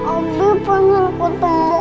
abi pengen ketemu